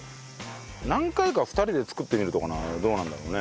何回か２人で作ってみるとかはどうなんだろうね。